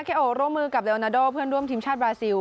โอร่วมมือกับเดลนาโดเพื่อนร่วมทีมชาติบราซิล